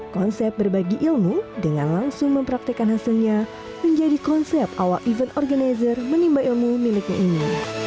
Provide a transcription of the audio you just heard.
konsep berbagi ilmu dengan langsung mempraktekan hasilnya menjadi konsep awal event organizer menimba ilmu miliknya ini